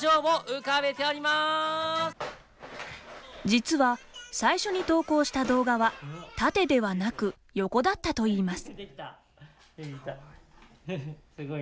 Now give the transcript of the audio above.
実は、最初に投稿した動画は縦ではなく、横だったといいます。